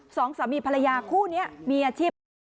สองสามีภรรยาคู่นี้มีอาชีพ